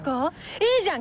いいじゃん！